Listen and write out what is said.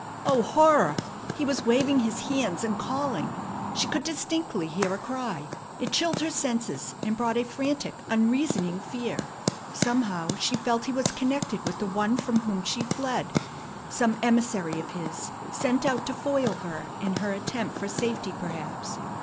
Oh, horror! He was waving his hands and calling. She could distinctly hear a cry! It chilled her senses, and brought a frantic, unreasoning fear. Somehow she felt he was connected with the one from whom she fled. Some emissary of his sent out to foil her in her attempt for safety, perhaps.